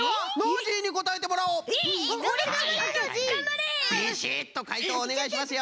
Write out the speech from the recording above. ビシッとかいとうおねがいしますよ。